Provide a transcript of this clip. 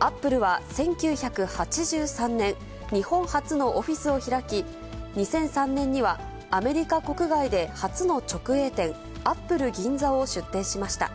Ａｐｐｌｅは１９８３年、日本初のオフィスを開き、２００３年にはアメリカ国外で初の直営店、Ａｐｐｌｅ銀座を出店しました。